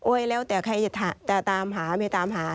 แล้วแต่ใครจะตามหาไม่ตามหา